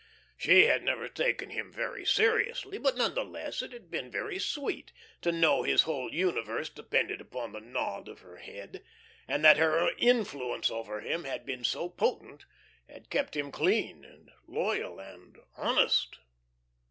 She had never taken him very seriously but none the less it had been very sweet to know his whole universe depended upon the nod of her head, and that her influence over him had been so potent, had kept him clean and loyal and honest.